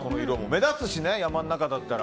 目立つしね、山の中で。